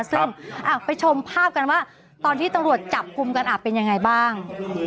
ซึ่งไปชมภาพกันว่าตอนที่ตำรวจจับกลุ่มกันเป็นยังไงบ้าง